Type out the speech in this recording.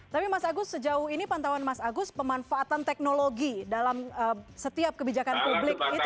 tapi mas agus sejauh ini pantauan mas agus pemanfaatan teknologi dalam setiap kebijakan publik itu